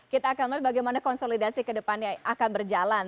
kita akan melihat bagaimana konsolidasi kedepannya akan berjalan